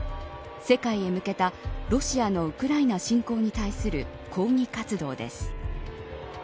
世界へ向けたロシアのウクライナ侵攻に対する抗議活動です。